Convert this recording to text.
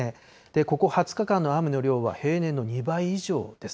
ここ２０日間の雨の量は、平年の２倍以上です。